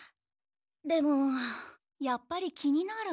でもやっぱり気になる。